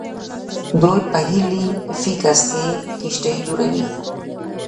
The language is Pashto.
دوی په هیلیفیکس کې کښتۍ جوړوي.